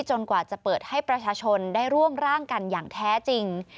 กว่าจะเปิดให้ประชาชนได้ร่วมร่างกันอย่างแท้จริง